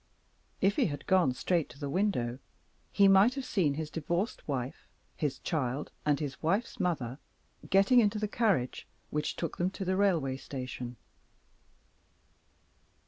If he had gone straight to the window he might have seen his divorced wife, his child, and his wife's mother, getting into the carriage which took them to the railway station.